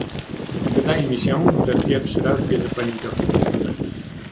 Wydaje mi się, że pierwszy raz bierze pani udział w tej procedurze